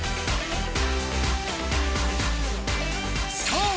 そう！